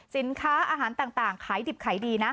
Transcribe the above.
สินค้าอาหารต่างขายดิบขายดีนะ